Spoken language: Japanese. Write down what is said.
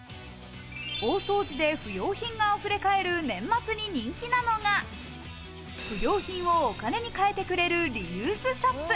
大掃除で不用品があふれかえる年末に人気なのが、不用品をお金に換えてくれるリユースショップ。